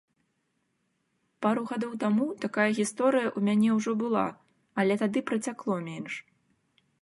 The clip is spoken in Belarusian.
Пару гадоў таму такая гісторыя ў мяне ўжо была, але тады працякло менш.